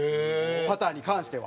パターに関しては。